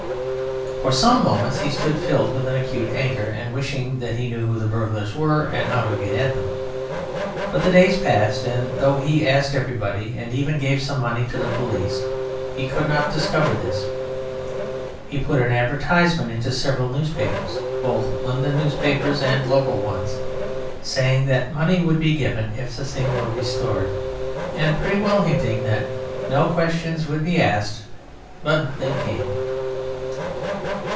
For some moments he stood filled with an acute anger and wishing that he knew who the burglars were and how to get at them; but the days passed, and though he asked everybody, and even gave some money to the police, he could not discover this. He put an advertisement into several newspapers, both London newspapers and local ones, saying that money would be given if the thing were restored, and pretty well hinting that no questions would be asked, but nothing came.